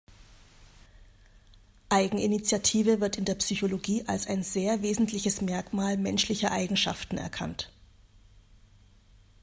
Eigeninitiative wird in der Psychologie als ein sehr wesentliches Merkmal menschlicher Eigenschaften erkannt.